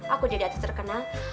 aku jadi atas terkenal